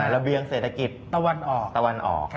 ระเบียงเศรษฐกิจตะวันออก